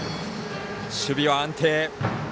守備は安定。